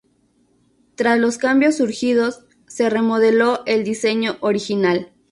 Tras los cambios surgidos, se remodeló el diseño original.